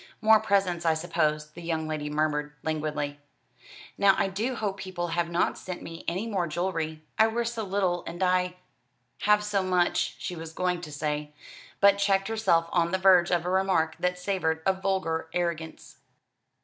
"More presents, I suppose," the young lady murmured languidly. "Now I do hope people have not sent me any more jewellery. I wear so little, and I " Have so much, she was going to say, but checked herself on the verge of a remark that savoured of vulgar arrogance.